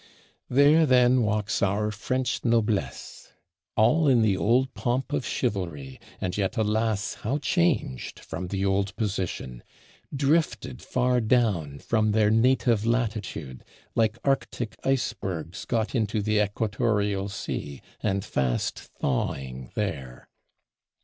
There, then, walks our French noblesse. All in the old pomp of chivalry; and yet, alas, how changed from the old position; drifted far down from their native latitude, like Arctic icebergs got into the Equatorial sea, and fast thawing there!